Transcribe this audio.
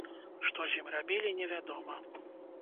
Што з ім рабілі, невядома.